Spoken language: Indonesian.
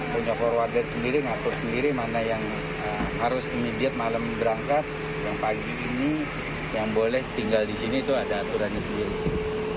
pada pagi ini yang boleh tinggal di sini itu ada aturan yang diberikan